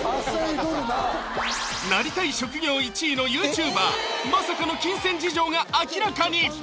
どるななりたい職業１位のＹｏｕＴｕｂｅｒまさかの金銭事情が明らかに！